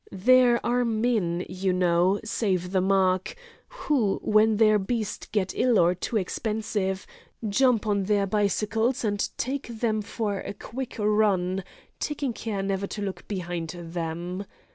There are men, you know—save the mark—who, when their beasts get ill or too expensive, jump on their bicycles and take them for a quick run, taking care never to look behind them.